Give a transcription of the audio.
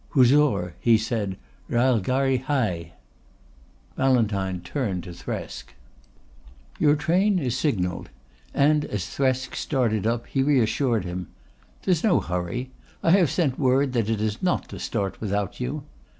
"Huzoor," he said. "Railgharri hai." Ballantyne turned to Thresk. "Your train is signalled," and as Thresk started up he reassured him. "There's no hurry. I have sent word that it is not to start without you."